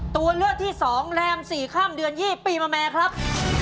ตัวเลือกที่สองแรม๔ค่ำเดือนยี่ปีมาแมครับ